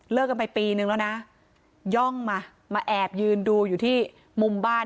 กันไปปีนึงแล้วนะย่องมามาแอบยืนดูอยู่ที่มุมบ้าน